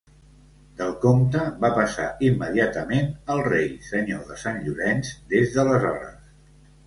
Del comte va passar immediatament al rei, senyor de Sant Llorenç des d'aleshores.